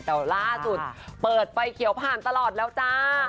แต่ล่าสุดเปิดไฟเขียวผ่านตลอดแล้วจ้า